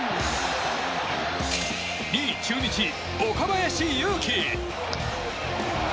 ２位中日、岡林勇希。